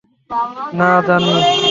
না, জনি।